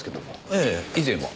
ええ以前は。